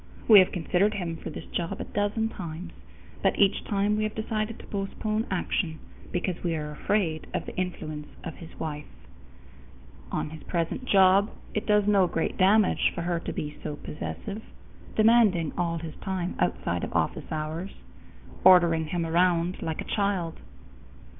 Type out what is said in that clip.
We have considered him for this job a dozen times, but each time we have decided to postpone action, because we are afraid of the influence of his wife. On his present job, it does no great damage for her to be so possessive, demanding all his time outside of office hours, ordering him around like a child.